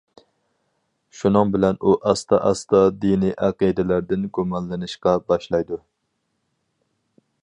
شۇنىڭ بىلەن ئۇ ئاستا-ئاستا دىنىي ئەقىدىلەردىن گۇمانلىنىشقا باشلايدۇ.